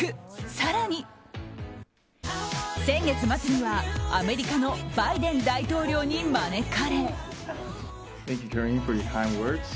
更に先月末には、アメリカのバイデン大統領に招かれ。